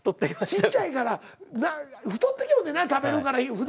ちっちゃいから太ってきよんねんな食べるから普段。